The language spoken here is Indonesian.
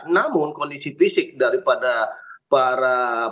namun kondisi fisik daripada para